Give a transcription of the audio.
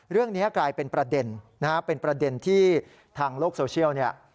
เรื่องนี้กลายเป็นประเด็นนะฮะเป็นประเด็นที่ทางโลกโซเชียลเนี่ย